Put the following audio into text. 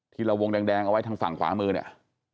ทีละวงแดงทางฝั่งขวามือเนี่ย